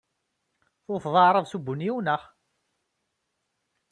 Tewteḍ aɣrab s ubunyiw, naɣ?